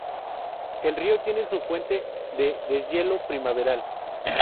El río tiene su fuente en deshielo primaveral.